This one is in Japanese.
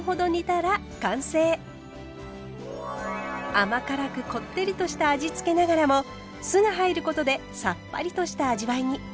甘辛くこってりとした味付けながらも酢が入ることでさっぱりとした味わいに。